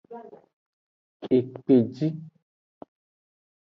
Ekpeji.